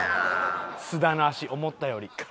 菅田の足思ったより。